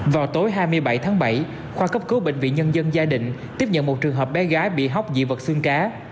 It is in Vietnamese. vào tối hai mươi bảy tháng bảy khoa cấp cứu bệnh viện nhân dân giai định tiếp nhận một trường hợp bé gái bị hóc dị vật xương cá